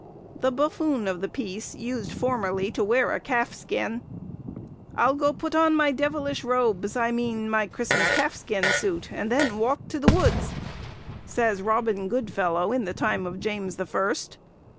The buffoon of the piece used formerly to wear a calf skin, "I'll go put on my devilish robes, I mean my Christmas calf's skin suit, and then walk to the woods," says Robin Goodfellow, in the time of James the First.